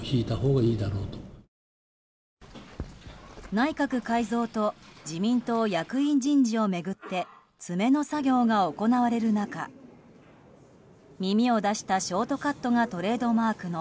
内閣改造と自民党役員人事を巡って詰めの作業が行われる中耳を出したショートカットがトレードマークの